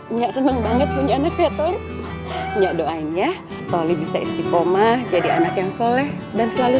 enggak seneng banget punya anaknya tolip doainya toli bisa istikomah jadi anak yang soleh dan selalu